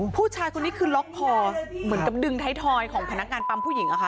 ผู้ชายคนนี้คือล็อกคอเหมือนกับดึงท้ายทอยของพนักงานปั๊มผู้หญิงอะค่ะ